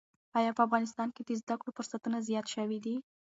ایا په افغانستان کې د زده کړو فرصتونه زیات شوي دي؟